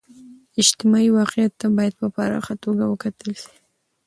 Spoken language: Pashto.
اجتماعي واقعیت ته باید په پراخه توګه و کتل سي.